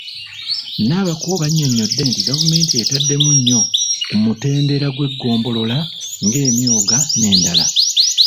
Nabakooba annyonnyodde nti gavumenti etaddemu nnyo ku mutendera gw'eggombolola ng'emyooga n'endala.